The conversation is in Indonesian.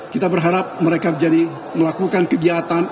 kita berharap mereka menjadi melakukan kegiatan